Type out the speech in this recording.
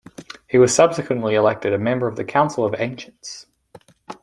He was subsequently elected a member of the Council of Ancients.